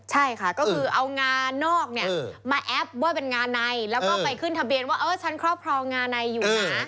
ใช่ค่ะก็คือเอางานอกเนี่ยมาแอปว่าเป็นงานในแล้วก็ไปขึ้นทะเบียนว่าเออฉันครอบครองงาในอยู่นะ